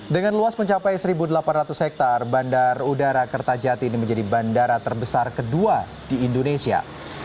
dengan luas mencapai satu delapan ratus hektare bandar udara kertajati ini menjadi bandara terbesar kedua di indonesia